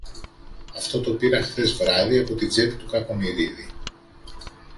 Αυτό το πήρα χθες βράδυ από την τσέπη του Κακομοιρίδη.